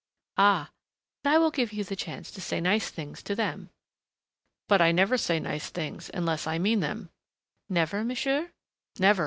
"Ah! I will give you the chance to say such nice things to them." "But I never say nice things unless I mean them!" "Never monsieur?" "Never.